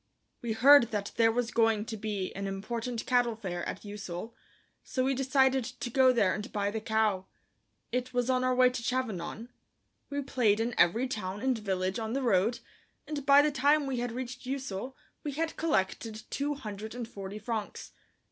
We heard that there was going to be an important cattle fair at Ussel, so we decided to go there and buy the cow. It was on our way to Chavanon. We played in every town and village on the road, and by the time we had reached Ussel we had collected two hundred and forty francs.